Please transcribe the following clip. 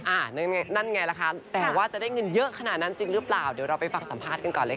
นั่นไงนั่นไงล่ะคะแต่ว่าจะได้เงินเยอะขนาดนั้นจริงหรือเปล่าเดี๋ยวเราไปฟังสัมภาษณ์กันก่อนเลยค่ะ